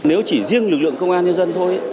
nếu chỉ riêng lực lượng công an nhân dân thôi